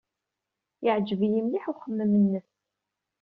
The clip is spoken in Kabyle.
Yeɛjeb-iyi mliḥ uxemmem-nnes.